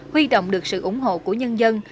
huy động được sự ủng hộ của nhân dân